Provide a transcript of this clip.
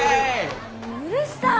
うるさい。